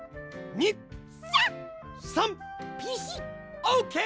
オーケー！